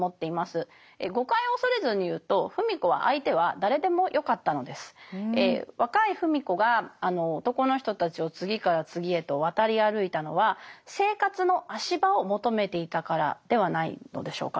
誤解を恐れずに言うと芙美子は若い芙美子が男の人たちを次から次へと渡り歩いたのは生活の足場を求めていたからではないのでしょうか。